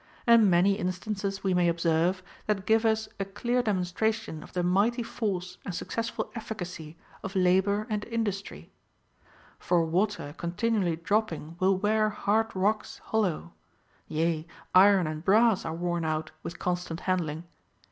And many instances we may observe, that give us a clear demonstration of the mighty force and successful efficacy of labor and indus b OF THE TRAINING OF CHILDREN. try. For water continually dropping will wear hard rocks hollow ; yea, iron and brass are worn out with constant handling.